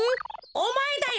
おまえだよ！